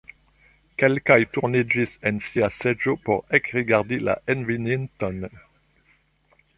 Kelkaj turniĝis en sia seĝo por ekrigardi la enveninton.